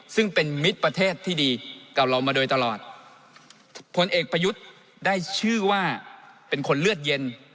ซึ่งเป็นมิตรประเทศที่ดีกับเรามาโดยตลอดผลเอกประยุทธ์ได้ชื่อว่าเป็นคนเลือดเย็น